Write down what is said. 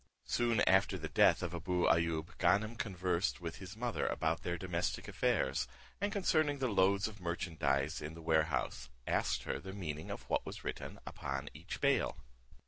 Soon after the death of Abou Ayoub, Ganem conversed with his mother about their domestic affairs, and concerning the loads of merchandize in the warehouse, asked her the meaning of what was written upon each bale.